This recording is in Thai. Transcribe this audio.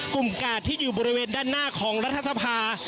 กาดที่อยู่บริเวณด้านหน้าของรัฐสภา